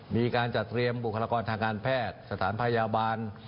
มีการจัดเตรียมบุคลากรทางการแพทย์สถานพยาบาล